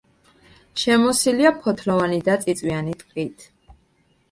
შემოსილია ფოთლოვანი და წიწვიანი ტყით.